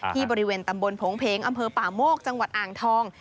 ที่บริเวณตำบลโผงเพงอำเภอป่าโมกจังหวัดอ่างทอง